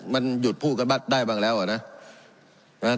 มันหยุดพูดกันได้บ้างแล้วนะ